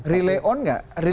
related dengan komersil